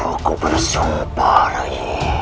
aku bersumpah ray